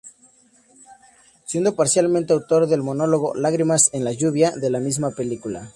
Siendo parcialmente autor del monólogo "Lágrimas en la lluvia" de la misma película.